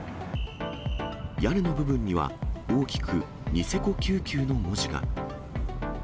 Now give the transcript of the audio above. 屋根の部分には大きくニセコ救急の文字が。